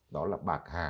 đó là bạc hà